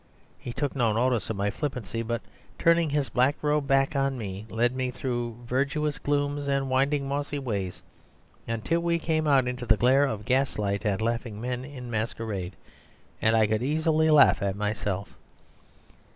He took no notice of my flippancy, but, turning his black robed back on me, led me through verdurous glooms and winding mossy ways, until we came out into the glare of gaslight and laughing men in masquerade, and I could easily laugh at myself.